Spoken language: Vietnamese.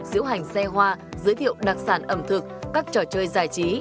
giới thiệu đặc sản ẩm thực các trò chơi giải trí